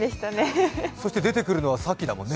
そして出てくるのはさっきだもん